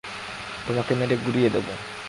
তোমাকে মেরে গুড়িয়ে দেব!